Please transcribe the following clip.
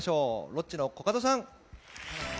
ロッチのコカドさん。